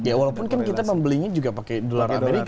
ya walaupun kan kita membelinya juga pakai dolar amerika